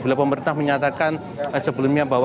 bila pemerintah menyatakan sebelumnya bahwa